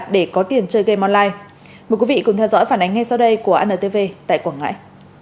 để có tiền chơi game online mời quý vị cùng theo dõi phản ánh ngay sau đây của antv tại quảng ngãi